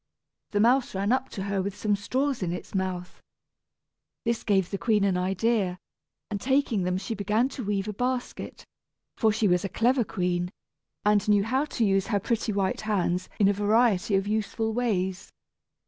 The mouse ran up to her with some straws in its mouth. This gave the queen an idea, and taking them she began to weave a basket, for she was a clever queen, and knew how to use her pretty white hands in a variety of useful ways.